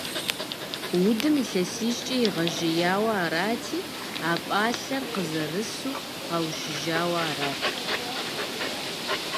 Удым илъэсищкӀэ игъэжеяуэ арати, а пӀалъэр къызэрысу къэушыжауэ арат.